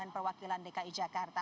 dan perwakilan dki jakarta